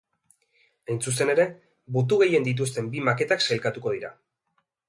Hain zuzen ere, botu gehien dituzten bi maketak sailkatuko dira.